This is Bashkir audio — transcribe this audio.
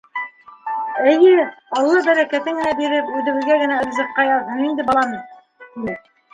— Эйе, алла бәрәкәтен генә биреп, үҙебеҙгә генә ризыҡҡа яҙһын инде, балам, — тине.